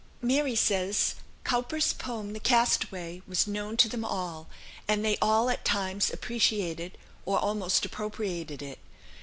"Mary" says: "Cowper's poem, 'The Castaway,' was known to them all, and they all at times appreciated, or almost appropriated it.